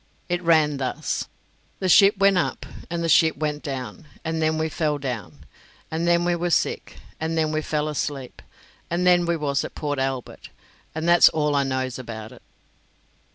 It ran thus: "The ship went up, and the ship went down; and then we fell down, and then we was sick; and then we fell asleep; and then we was at Port Albert; and that's all I knows about it."